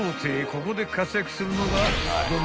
［ここで活躍するのが］